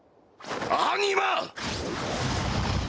アニマ！